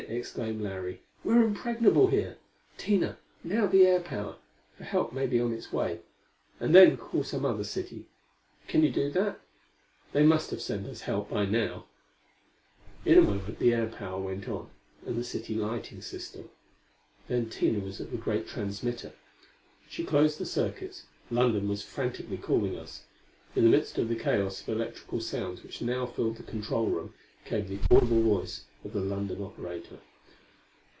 exclaimed Larry. "We're impregnable here. Tina, now the air power, for help may be on its way. And then call some other city. Can you do that? They must have sent us help by now." In a moment the air power went on, and the city lighting system. Then Tina was at the great transmitter. As she closed the circuits, London was frantically calling us. In the midst of the chaos of electrical sounds which now filled the control room, came the audible voice of the London operator.